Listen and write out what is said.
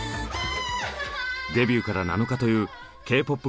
デビューから７日というＫーＰＯＰ